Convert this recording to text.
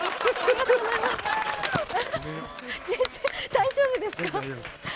大丈夫ですか？